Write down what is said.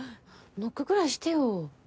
ノックくらいしてよ。